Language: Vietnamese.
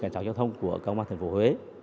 cảnh sát giao thông của công an thành phố huế